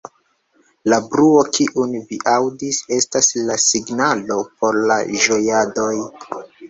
La bruo, kiun vi aŭdis, estas la signalo por la ĝojadoj.